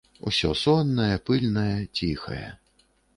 Усё соннае, пыльнае, ціхае.